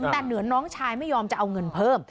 แต่เหนือน้องชายไม่ยอมจะเอาเงินเพิ่ม